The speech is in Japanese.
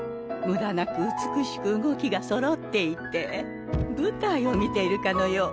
無駄なく美しく動きがそろっていて舞台を見ているかのよう。